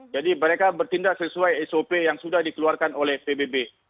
jadi mereka bertindak sesuai sop yang sudah dikeluarkan oleh pbb